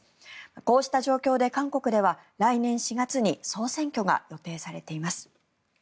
こうした状況で韓国では来年４月に総選挙が予定されています。